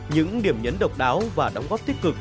những điểm nhấn độc đáo và đóng góp tích cực